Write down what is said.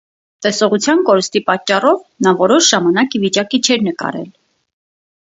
Տեսողության կորստի պատճառով նա որոշ ժամանակ ի վիճակի չէր նկարել։